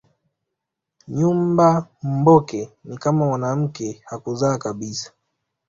Nyumba mboke ni kama mwanamke hakuzaa kabisa